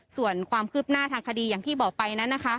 ส่วนความคืบหน้าทางคดีอย่างที่บอกไปนั้นนะคะ